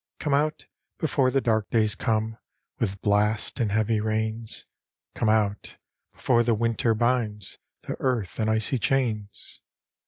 Come out, before the dark days come, With blasts and heavy rains : Come out, before the winter binds The earth in icy chains.